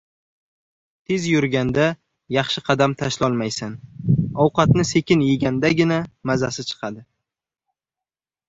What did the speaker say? • Tez yurganda yaxshi qadam tashlolmaysan, ovqatni sekin yegandagiga mazasi chiqadi.